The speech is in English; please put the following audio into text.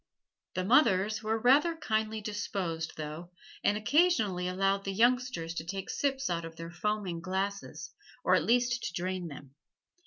The mothers were rather kindly disposed, though, and occasionally allowed the youngsters to take sips out of their foaming glasses, or at least to drain them.